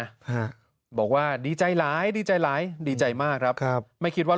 ฮะบอกว่าดีใจหลายดีใจหลายดีใจมากครับครับไม่คิดว่า